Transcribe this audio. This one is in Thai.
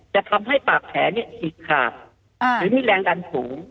จะทำให้ปากแผลฉีกขาดหรือมีแรงดันสูง